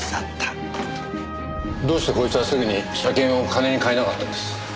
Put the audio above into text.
どうしてこいつはすぐに車券を金に換えなかったんです？